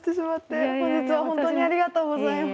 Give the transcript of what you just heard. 本日は本当にありがとうございます。